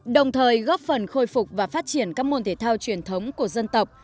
đồng thời góp phần khôi phục và phát triển các môn thể thao truyền thống của dân tộc